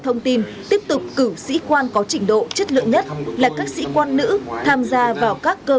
thông tin tiếp tục cử sĩ quan có trình độ chất lượng nhất là các sĩ quan nữ tham gia vào các cơ